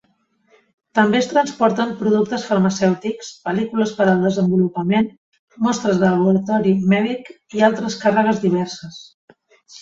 També es transporten productes farmacèutics, pel·lícules per al desenvolupament, mostres de laboratori mèdic i altres càrregues diverses.